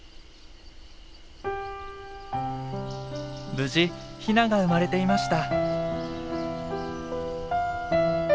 無事ヒナが生まれていました。